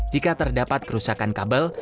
jika terdapat kerusakan kabel